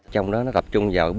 trong đó nó tập trung vào